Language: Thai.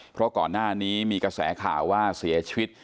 เพราะก่อนหน้านี้มีกระแสข่าวว่าเสียชีวิต